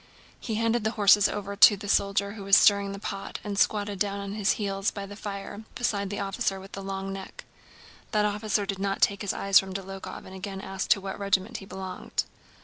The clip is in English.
He handed the horses over to the soldier who was stirring the pot and squatted down on his heels by the fire beside the officer with the long neck. That officer did not take his eyes from Dólokhov and again asked to what regiment he belonged.